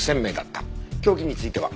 凶器については？